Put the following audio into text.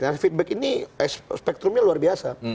nah feedback ini spektrumnya luar biasa